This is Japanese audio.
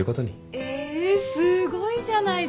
えすごいじゃないですか。